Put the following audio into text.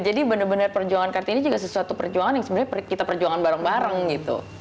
jadi benar benar perjuangan kartini juga sesuatu perjuangan yang sebenarnya kita perjuangan bareng bareng gitu